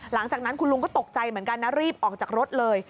หลังจากนั้นคุณลุงก็ตกใจเหมือนกันนะรีบออกจากรถเลย